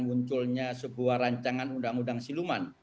munculnya sebuah rancangan undang undang siluman